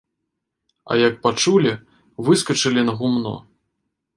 А як пачулі, выскачылі на гумно.